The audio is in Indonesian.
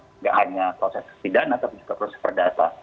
tidak hanya proses pidana tapi juga proses perdata